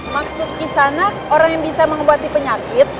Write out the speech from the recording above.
maksud di sana orang yang bisa mengobati penyakit